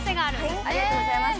◆ありがとうございます。